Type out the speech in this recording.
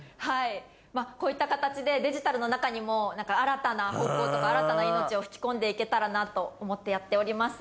こういった形でデジタルの中にも新たな方向とか新たな命を吹き込んで行けたらなと思ってやっております。